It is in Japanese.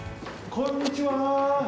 こんにちは。